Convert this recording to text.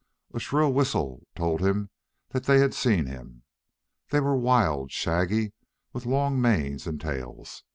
A shrill whistle told him that they had seen him. They were wild, shaggy, with long manes and tails.